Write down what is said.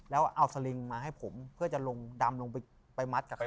แล้วเอาสลิงมาให้ผมเพื่อจะลงดำลงไปมัดกับเขา